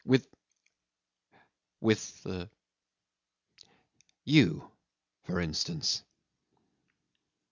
With with you, for instance."